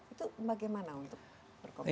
itu bagaimana untuk berkompetisi